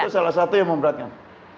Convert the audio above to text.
ya itu salah satu yang memperhatikan